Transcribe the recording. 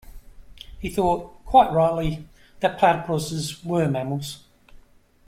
He thought, quite rightly, that platypuses were mammals.